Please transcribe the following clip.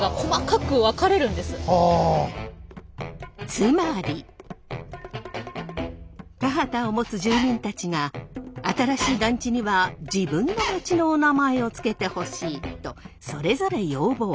つまり田畑を持つ住民たちが新しい団地には自分の土地のおなまえをつけてほしいとそれぞれ要望。